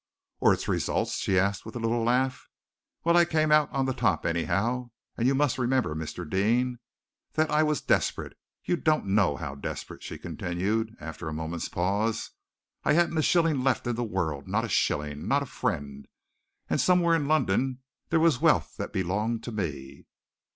"Or its results?" she asked, with a little laugh. "Well, I came out on the top, anyhow, and you must remember, Mr. Deane, that I was desperate, you don't know how desperate," she continued, after a moment's pause. "I hadn't a shilling left in the world! not a shilling! not a friend! And somewhere in London there was wealth that belonged to me!"